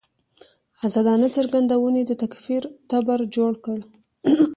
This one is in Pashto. ازادانه څرګندونې د تکفیر تبر جوړ کړ.